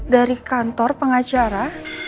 dari kantor pengacara